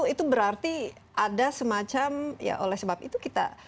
itu berarti ada semacam ya oleh sebab itu kita